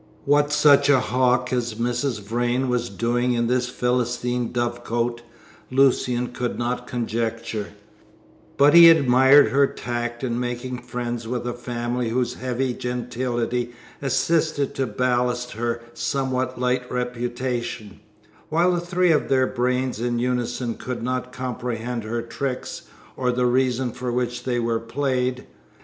What such a hawk as Mrs. Vrain was doing in this Philistine dove cote, Lucian could not conjecture; but he admired her tact in making friends with a family whose heavy gentility assisted to ballast her somewhat light reputation; while the three of their brains in unison could not comprehend her tricks, or the reasons for which they were played.